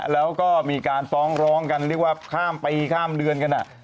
แล้วก็มีการฟ้องร้องกันเรียกว่าข้ามปีข้ามเดือนกัน